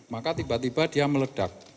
maka tiba tiba dia meledak